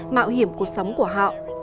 mạo hiểm cuộc sống của họ